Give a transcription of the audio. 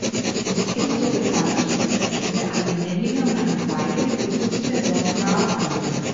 Ebenso bekannt ist, dass Kinder eine männliche und eine weibliche Bezugsperson brauchen.